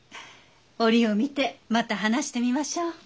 折を見てまた話してみましょう。